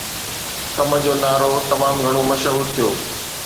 ڪم جو نعرو تمام گهڻو مشهور ٿيو